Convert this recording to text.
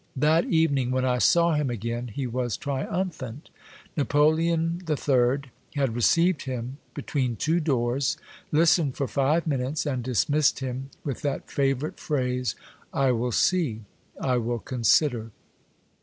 That evening, when I saw him again, he was triumphant. Napoleon III. had received him between two doors, listened for five minutes, and dismissed him with that favorite phrase, " I will see. I will consider."